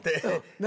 何？